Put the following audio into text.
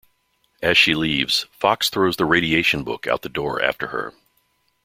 As she leaves, Fox throws the Radiation book out the door after her.